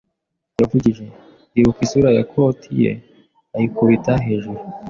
yavugije. Ndibuka isura ya koti ye, ayikubita hejuru